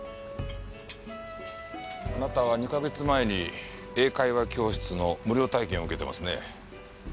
あなたは２か月前に英会話教室の無料体験を受けてますね。